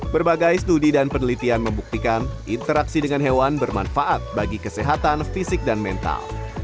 berbagai studi dan penelitian membuktikan interaksi dengan hewan bermanfaat bagi kesehatan fisik dan mental